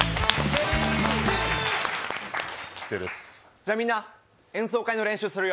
じゃあみんな、演奏会の練習するよ。